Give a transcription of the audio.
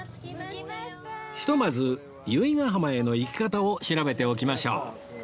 ひとまず由比ガ浜への行き方を調べておきましょう